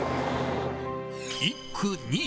１区２位。